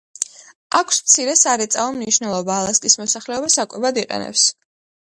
აქვს მცირე სარეწაო მნიშვნელობა; ალასკის მოსახლეობა საკვებად იყენებს.